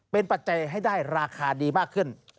เป็นปัจจัยให้ได้ราคาดีมากขึ้น